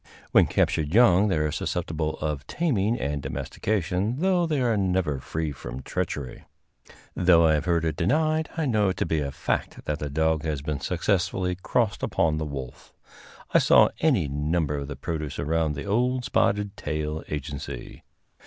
When captured young they are susceptible of taming and domestication, though they are never free from treachery. Though I have heard it denied, I know it to be a fact that the dog has been successfully crossed upon the wolf. I saw any number of the produce around the old Spotted Tail agency.